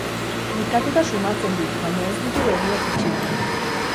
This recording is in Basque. Nekatuta sumatzen dut, baina ez ditu begiak itxi nahi.